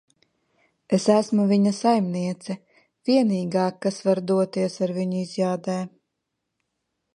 Es esmu viņa saimniece. Vienīgā, kas var doties ar viņu izjādē.